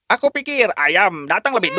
aku pikir ayam datang lebih dulu